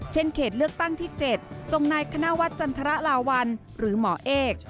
เขตเลือกตั้งที่๗ทรงนายคณวัฒน์จันทรลาวัลหรือหมอเอก